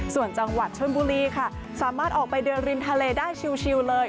ส่วนจังหวัดชนบุรีค่ะสามารถออกไปเดินริมทะเลได้ชิวเลย